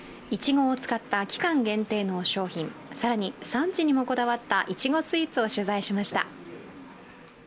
いちごを使った期間限定の商品、更に産地にもこだわったいちごスイーツを取材しました。